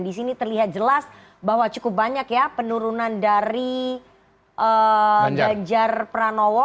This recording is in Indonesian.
di sini terlihat jelas bahwa cukup banyak ya penurunan dari ganjar pranowo